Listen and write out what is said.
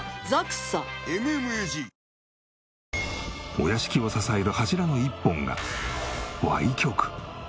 お屋敷を支える柱の１本が歪曲。